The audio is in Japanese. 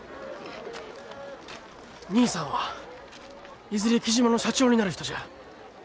兄さんはいずれ雉真の社長になる人じゃあ。